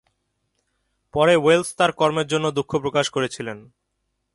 পরে ওয়েলস তার কর্মের জন্য দুঃখ প্রকাশ করেছিলেন।